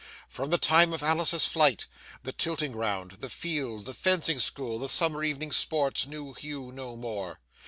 From the time of Alice's flight, the tilting ground, the fields, the fencing school, the summer evening sports, knew Hugh no more.